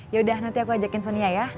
yaudah nanti aku ajakin sonia ya